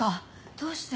どうして？